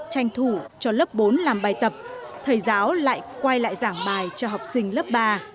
tranh thủ cho lớp bốn làm bài tập thầy giáo lại quay lại giảng bài cho học sinh lớp ba